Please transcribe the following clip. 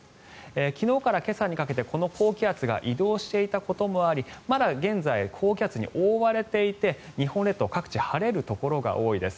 昨日から今朝にかけてこの高気圧が移動していたこともありまだ現在、高気圧に覆われていて日本列島各地晴れるところが多いです。